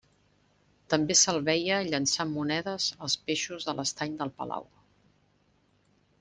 També se'l veia llençant monedes als peixos de l'estany del palau.